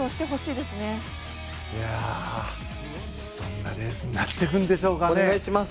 いやあ、どんなレースになってくるんでしょうかね。